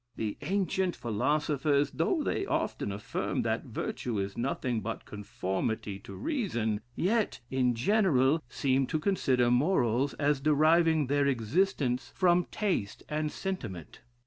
The ancient philosophers, though they often affirm that virtue is nothing but conformity to reason, yet, in general, seem to consider morals as deriving their existence from taste and sentiment.